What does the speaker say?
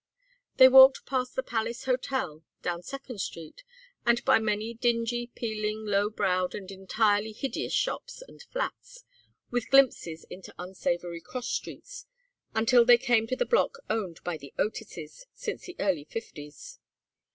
They walked past the Palace Hotel, down Second Street, and by many dingy peeling low browed and entirely hideous shops and flats, with glimpses into unsavory cross streets, until they came to the block owned by the Otises since the early Fifties.